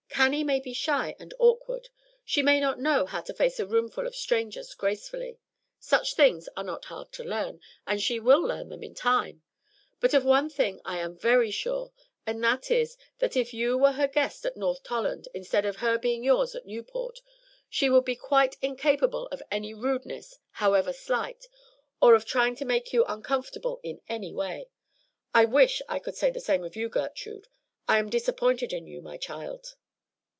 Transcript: Cannie may be shy and awkward; she may not know how to face a room full of strangers gracefully, such things are not hard to learn, and she will learn them in time; but of one thing I am very sure, and that is, that if you were her guest at North Tolland instead of her being yours at Newport, she would be quite incapable of any rudeness however slight, or of trying to make you uncomfortable in any way. I wish I could say the same of you, Gertrude. I am disappointed in you, my child."